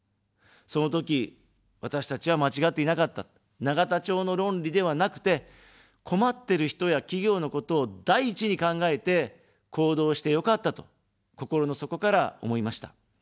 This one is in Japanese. そのとき、私たちは間違っていなかった、永田町の論理ではなくて、困ってる人や企業のことを第一に考えて行動してよかったと、心の底から思いました。